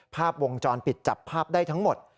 ภาพวงจรปิดจับภาพได้ทั้งหมด